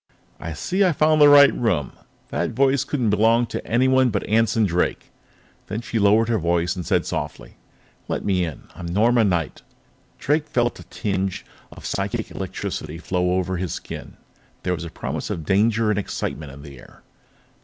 "I see I've found the right room," she said. "That voice couldn't belong to anyone but Anson Drake." Then she lowered her voice and said softly: "Let me in. I'm Norma Knight." Drake felt a tingle of psychic electricity flow over his skin; there was a promise of danger and excitement in the air.